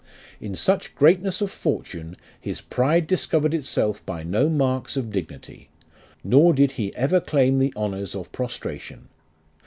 In such greatness of fortune His pride discovered itself by no marks of dignity ; Nor did he ever claim the honours of prostration.